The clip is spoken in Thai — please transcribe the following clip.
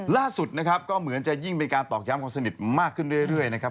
ล่าสุดนะครับก็เหมือนจะยิ่งเป็นการตอกย้ำความสนิทมากขึ้นเรื่อยนะครับ